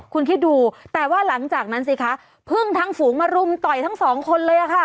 คุณคิดดูแต่ว่าหลังจากนั้นสิคะพึ่งทั้งฝูงมารุมต่อยทั้งสองคนเลยค่ะ